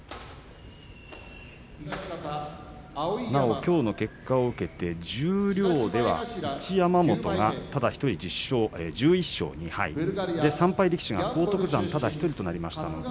きょうの結果を受けて十両では一山本がただ１人１１勝２敗３敗力士、荒篤山ただ１人となりました。